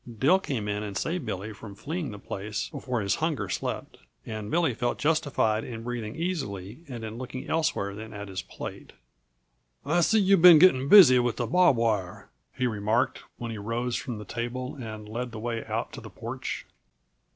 Dill came in and saved Billy from fleeing the place before his hunger slept, and Billy felt justified in breathing easily and in looking elsewhere than at his plate. "I see you've been getting busy with the barbwire," he remarked, when he rose from the table and led the way out to the porch.